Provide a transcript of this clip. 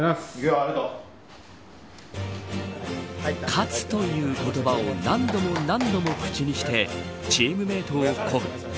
勝つという言葉を何度も何度も口にしてチームメートを鼓舞。